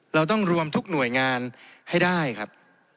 เราต้องรวมทุกหน่วยงานให้ได้ครับ